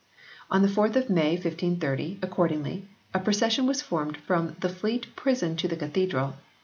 On the 4th of May 1530, accordingly, a procession was formed from the Fleet prison to the Cathedral.